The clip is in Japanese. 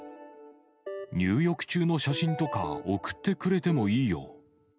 入浴中の写真とか送ってくれてもいいよ。